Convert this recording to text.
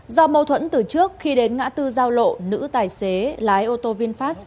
do mâu thuẫn từ trước khi đến ngã tư giao lộ nữ tài xế lái ô tô vinfast